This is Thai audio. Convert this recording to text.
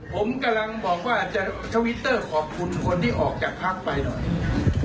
ผมกำลังบอกว่าจะทวิตเตอร์ขอบคุณคนที่ออกจากพักไปหน่อย